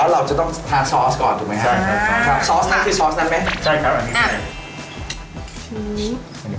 ไม่ใช่ตาตกหรือเดียวนะฮะดวม